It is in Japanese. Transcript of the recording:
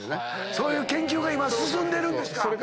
そういう研究進んでるんですか！